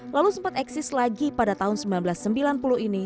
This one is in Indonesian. lalu sempat eksis lagi pada tahun seribu sembilan ratus sembilan puluh ini